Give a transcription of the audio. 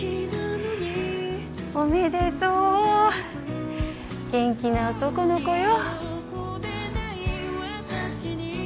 おめでとう元気な男の子よ